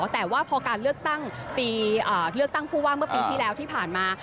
แต่ว่าพอการเลือกตั้งปีเลือกตั้งผู้ว่าเมื่อปีที่แล้วที่ผ่านมา